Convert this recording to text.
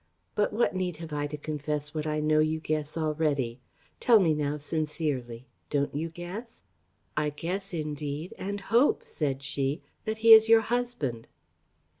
But what need have I to confess what I know you guess already? Tell me now sincerely, don't you guess?" "I guess, indeed, and hope," said she, "that he is your husband."